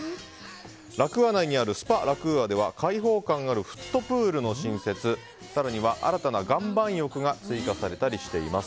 ラクーア内にあるスパラクーアでは開放感あるフットプールの新設皿には新たな岩盤浴が追加されたりしています。